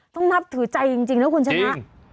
ต้องนับถือใจจริงนะคุณชนะ